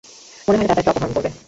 মনে হয়না তারা তাকে অপহরণ করবে।